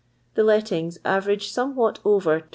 The lettinsrs average somewhat over 2m